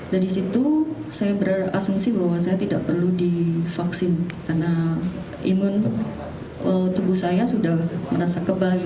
dari situ saya berasumsi bahwa saya tidak perlu divaksin karena imun tubuh saya sudah merasa kebal